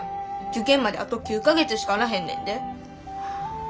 受験まであと９か月しかあらへんねんで。